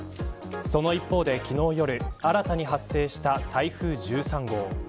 その一方で昨日夜新たに発生した台風１３号。